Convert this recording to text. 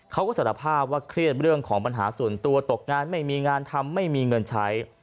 เขาก็สารภาพว่าเครียดเรื่องของปัญหาส่วนตัวตกงานไม่มีงานทำไม่มีเงินใช้